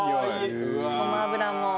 ごま油も。